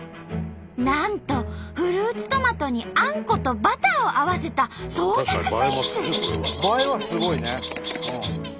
なんとフルーツトマトにあんことバターを合わせた創作スイーツ。